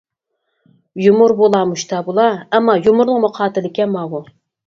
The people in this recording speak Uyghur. يۇمۇر بولا مۇشتا بولا، ئەمما يۇمۇرنىڭمۇ قاتىلىكەن ماۋۇ!